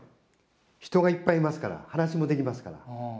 人がいっぱいいますから、話もできますから。